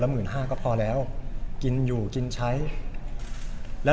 ผมว่า๓หมื่นก็พอเพราะว่าทุกวันนี้ผมเดือนละ๑๕๐๐๐ก็พอแล้ว